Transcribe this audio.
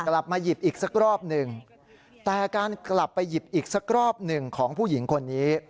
กลับมาหยิบอีกสักรอบหนึ่งแต่การกลับไปหยิบอีกสักรอบหนึ่งของผู้หญิงคนนี้